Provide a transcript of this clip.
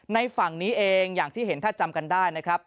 ฝั่งนี้เองอย่างที่เห็นถ้าจำกันได้นะครับ